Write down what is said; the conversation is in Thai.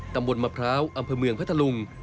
ตำบลมะพร้าวอำเภอเมืองพัทธลุง